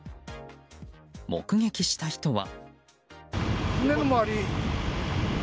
目撃した人は。